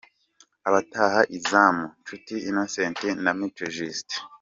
Abataha izamu: Nshuti Innnocent na Mico Justin.